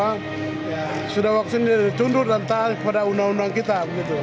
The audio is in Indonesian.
karena sudah waktunya dia ditundur dan taat pada undang undang kita